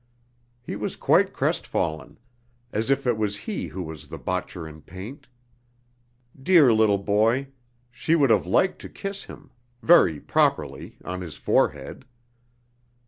(He was quite crestfallen, as if it was he who was the botcher in paint!... Dear little boy! She would have liked to kiss him ... very properly, on his forehead!)